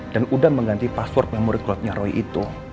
dan udah mengganti password memory cloudnya roy itu